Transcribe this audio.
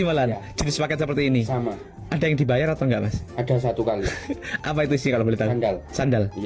malam jenis pakai seperti ini sama ada yang dibayar atau nggak ada satu kali apa itu sih kalau beli sandal sandal